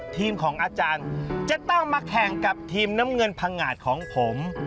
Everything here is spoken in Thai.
ทีมของอาจารย์จะต้องมาแข่งกับทีมน้ำเงินพังงาดของผม